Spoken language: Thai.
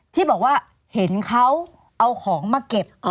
ที่บอกว่าเห็นเขาเอาของมาเก็บ